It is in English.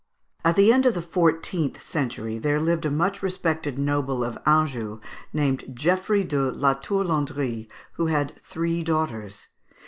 At the end of the fourteenth century there lived a much respected noble of Anjou, named Geoffroy de Latour Landry, who had three daughters.